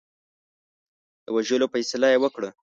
د وژلو فیصله یې وکړه.